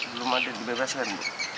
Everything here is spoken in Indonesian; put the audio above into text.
belum ada dibebaskan